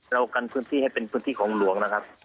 เรากันพื้นที่ให้เป็นพื้นที่ของหลวงนะครับ